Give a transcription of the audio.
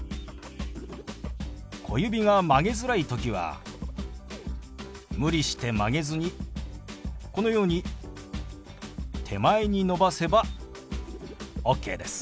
小指が曲げづらい時は無理して曲げずにこのように手前に伸ばせばオッケーです。